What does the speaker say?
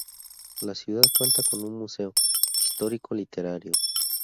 La ciudad cuenta con un museo histórico-literario.